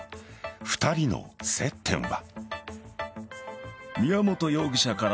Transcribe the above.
２人の接点は。